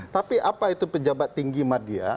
tapi apa itu pejabat tinggi media